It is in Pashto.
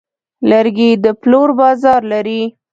لرګی د پلور بازار لري.